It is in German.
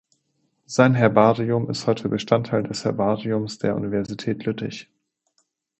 Sein Herbarium ist heute Bestandteil des Herbariums der Universität Lüttich.